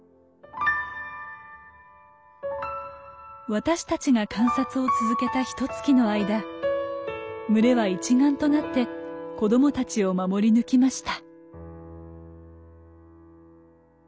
私たちが観察を続けたひとつきの間群れは一丸となって子供たちを守り抜きました。